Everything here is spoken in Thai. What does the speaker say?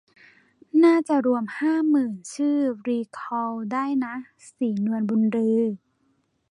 น่าจะรวมห้าหมื่นชื่อรีคอลได้นะ ศรีนวลบุญลือ